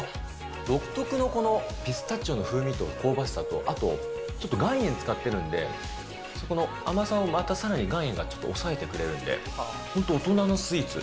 独特のこのピスタチオの風味と香ばしさと、あとちょっと岩塩使ってるんで、そこの甘さをまたさらに岩塩がちょっと抑えてくれるんで、本当、大人のスイーツ。